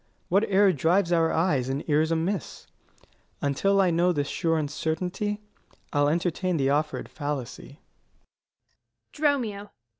What error drives our eyes and ears amiss? Until I know this sure uncertainty, I'll entertain the offer'd fallacy.